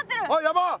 やばっ！